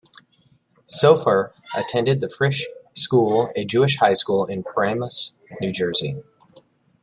Sofer attended the Frisch School, a Jewish high school in Paramus, New Jersey.